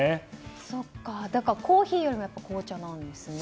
コーヒーよりも紅茶なんですね。